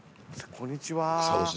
こんにちは。